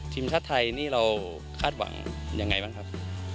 ทีมชาติไทยนี่เราคาดหวังยังไงบ้างครับ